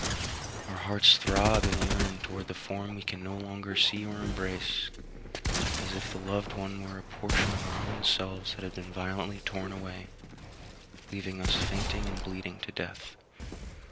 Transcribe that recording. Our hearts throb and yearn towards the form we can no longer see or embrace, as if the loved one were a portion of our own selves that had been violently torn away, leaving us fainting and bleeding to death.